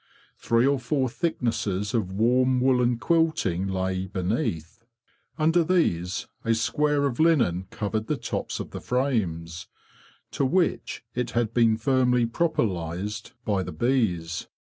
Three or four thicknesses of warm woollen quilting lay beneath. Under these a square of linen covered the tops of the frames, to which it had been firmly propolised by the bees.